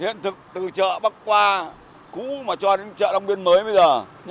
hiện thực từ chợ bắc qua cũ mà cho đến chợ đông biên mới bây giờ